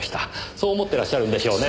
そう思ってらっしゃるんでしょうね。